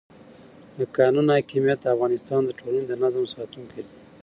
د قانون حاکمیت د افغانستان د ټولنې د نظم ساتونکی دی